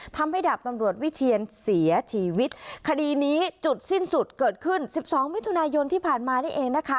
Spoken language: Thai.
ดาบตำรวจวิเชียนเสียชีวิตคดีนี้จุดสิ้นสุดเกิดขึ้นสิบสองมิถุนายนที่ผ่านมานี่เองนะคะ